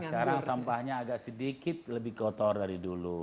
sekarang sampahnya agak sedikit lebih kotor dari dulu